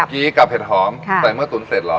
กี้กับเห็ดหอมใส่เมื่อตุ๋นเสร็จเหรอ